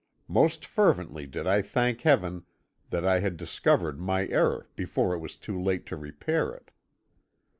Most fervently did I thank Heaven that I had discovered my error before it was too late to repair it.